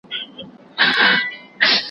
ورسره به وي ټولۍ د شیطانانو